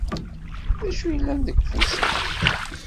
D acu yellan deg ufus-ik?